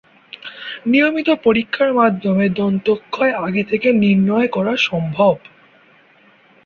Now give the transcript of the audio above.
নিয়মিত পরীক্ষার মাধ্যমে দন্তক্ষয় আগে থেকে নির্ণয় করা সম্ভব।